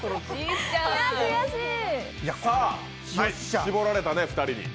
絞られたね、２人に。